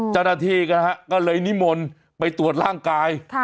จรฐีก็เลยนิมนต์ไปตรวจร่างกาย